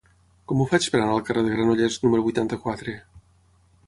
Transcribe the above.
Com ho faig per anar al carrer de Granollers número vuitanta-quatre?